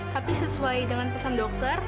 tapi sesuai dengan pesan dokter